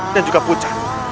dan juga pucat